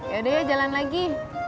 yaudah ya jalan lagi